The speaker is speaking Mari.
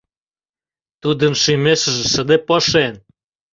Тудын шӱмешыже шыде пошен.